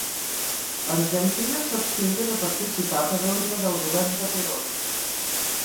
Argentina s'abstingué de participar per ordre del govern de Perón.